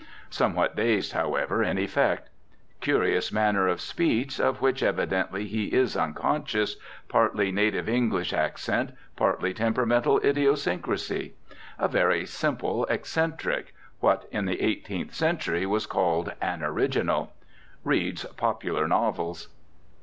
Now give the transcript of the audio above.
Somewhat dazed, however, in effect. Curious manner of speech, of which evidently he is unconscious, partly native English accent, partly temperamental idiosyncrasy. A very simple eccentric, what in the eighteenth century was called "an original." Reads popular novels.